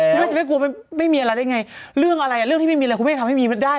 คุณแม่จะไม่กลัวมันไม่มีอะไรได้ไงเรื่องอะไรอ่ะเรื่องที่ไม่มีอะไรคุณแม่ทำให้มีได้